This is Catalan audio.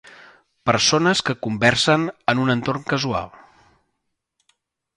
Persones que conversen en un entorn casual.